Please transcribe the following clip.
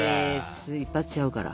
一発ちゃうから。